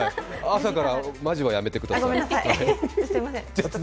朝からマジはやめてください。